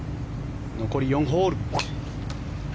残り４ホール。